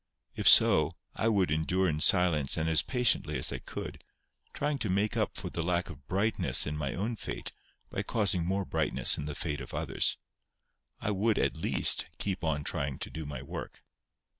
If so, I would endure in silence and as patiently as I could, trying to make up for the lack of brightness in my own fate by causing more brightness in the fate of others. I would at least keep on trying to do my work.